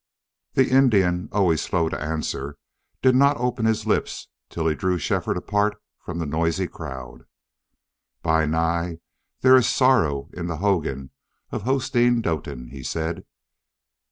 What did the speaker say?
The Indian, always slow to answer, did not open his lips till he drew Shefford apart from the noisy crowd. "Bi Nai, there is sorrow in the hogan of Hosteen Doetin," he said.